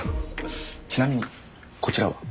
ちなみにこちらは？